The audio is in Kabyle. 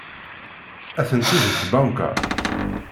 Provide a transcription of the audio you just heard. Atenti deg tbanka.